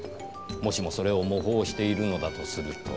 もしもそれを模倣しているのだとすると。